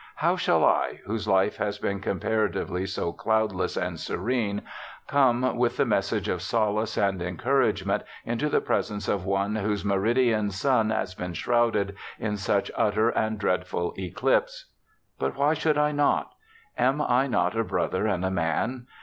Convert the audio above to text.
How shall I, whose life has been comparatively so cloudless and serene, come, with the message of solace and encourage ment, into the presence of one whose meridian sun has been shrouded in such utter and dreadful eclipse ? But why should I not ? Am I not a brother and a man